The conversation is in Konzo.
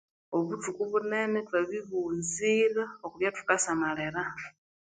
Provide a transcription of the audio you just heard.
Obuthuku bunene thwabi bughunzira okwa byathukasamalira